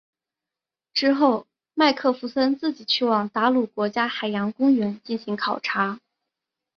之后麦克弗森自己去往达鲁国家海洋公园进行考察。